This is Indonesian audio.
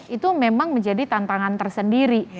itu memang menjadi tantangan tersendiri